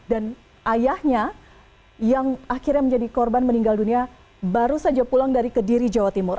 dan ayahnya yang akhirnya menjadi korban meninggal dunia baru saja pulang dari kediri jawa timur